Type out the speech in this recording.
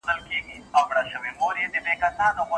استاد د مقالې پیلنۍ بڼه په بشپړه توګه سمه کړې ده.